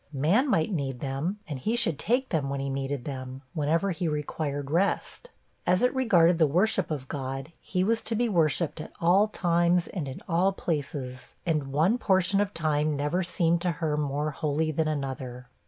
Man might need them, and he should take them when he needed them, whenever he required rest. As it regarded the worship of God, he was to be worshipped at all times and in all places; and one portion of time never seemed to her more holy than another.'